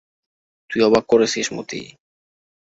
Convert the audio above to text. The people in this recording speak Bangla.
তুই অবাক করেছিস মতি।